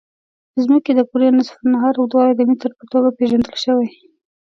د ځمکې د کرې نصف النهار اوږدوالی د متر په توګه پېژندل شوی.